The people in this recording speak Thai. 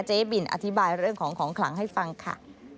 เจ๊บินอธิบายเรื่องของของขลังให้ฟังค่ะ